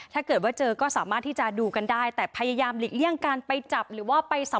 ถ้าเจอก็สามารถที่จะดูกันได้แต่พยายามหลิงการไปสัมผัส